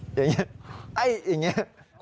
อย่างนี้อย่างนี้